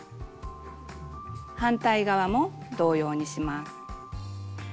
反対側も同様にします。